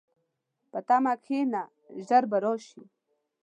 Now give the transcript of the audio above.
په تمه کښېنه، ژر به راشي.